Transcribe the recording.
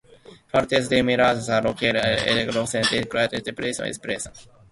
Faltos de madera, la cocina y el local de guardia debieron esperar.